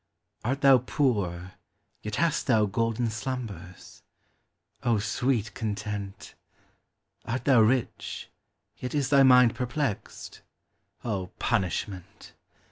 Akt thou poor, ye1 hast thou golden slumtx O sweet contenl I Art thou rich, yet is thy mind perplexed? () punishment